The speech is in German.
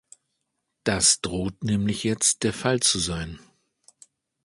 Das droht nämlich jetzt der Fall zu sein.